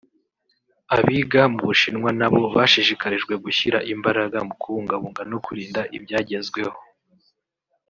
abiga mu Bushinwa na bo bashishikarijwe gushyira imbaraga mu kubungabunga no kurinda ibyagezweho